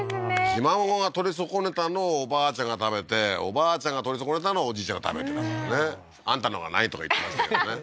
ひ孫が取り損ねたのをおばあちゃんが食べておばあちゃんが取り損ねたのをおじいちゃんが食べてたんですねあんたのがないとか言ってましたけどね